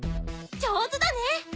上手だね。